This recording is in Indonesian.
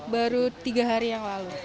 baru tiga hari yang lalu